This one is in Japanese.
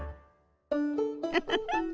ウフフ。